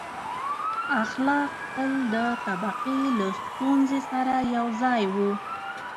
• اخلاق تل د طبقې له ستونزې سره یو ځای وو.